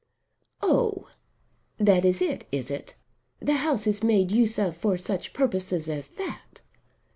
"Oh that is it, is it? The house is made use of for such purposes as that!"